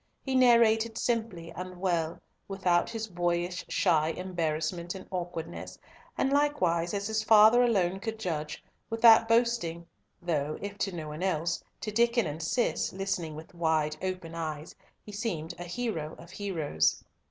He narrated simply and well, without his boyish shy embarrassment and awkwardness, and likewise, as his father alone could judge, without boasting, though, if to no one else, to Diccon and Cis, listening with wide open eyes, he seemed a hero of heroes.